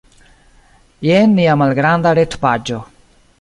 Jen nia malgranda retpaĝo.